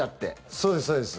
そうです、そうです。